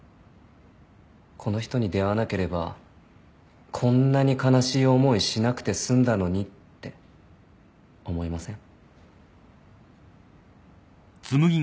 この人に出会わなければこんなに悲しい思いしなくて済んだのにって思いません？